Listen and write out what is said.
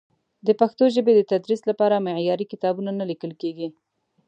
د پښتو ژبې د تدریس لپاره معیاري کتابونه نه لیکل کېږي.